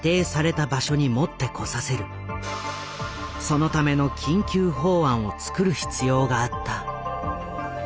そのための緊急法案を作る必要があった。